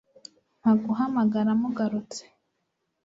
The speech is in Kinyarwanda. Mpa guhamagara mugarutse